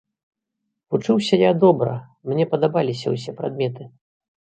Вучыўся я добра, мне падабаліся ўсе прадметы.